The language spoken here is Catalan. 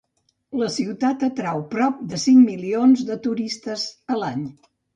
La ciutat atrau prop de cinc milions de turistes a l'any.